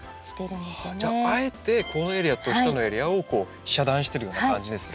じゃああえてこのエリアと下のエリアを遮断してるような感じですね。